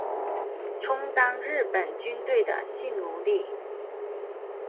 充当日本军队的性奴隶